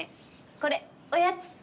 これおやつ！